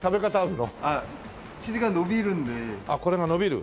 あっこれが伸びる。